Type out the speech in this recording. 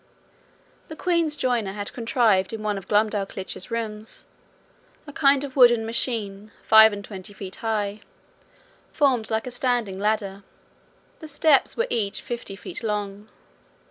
The queen's joiner had contrived in one of Glumdalclitch's rooms, a kind of wooden machine five and twenty feet high, formed like a standing ladder; the steps were each fifty feet long.